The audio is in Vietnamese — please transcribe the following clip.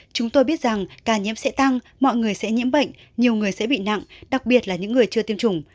chúng tôi biết rằng ca nhiễm sẽ tăng mọi người sẽ nhiễm bệnh nhiều người sẽ bị nặng đặc biệt là những người chưa tiêm chủng